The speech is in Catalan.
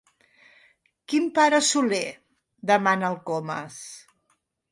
Quin pare Soler? —demana el Comas.